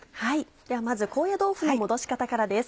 ではまず高野豆腐の戻し方からです。